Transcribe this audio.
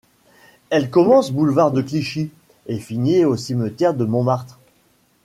Elle commence boulevard de Clichy et finit au cimetière de Montmartre.